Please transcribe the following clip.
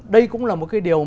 đây cũng là một cái điều